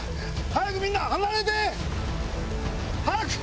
早くみんな離れて！早く！